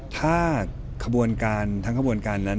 ถ้าขบวนการทั้งขบวนการนั้น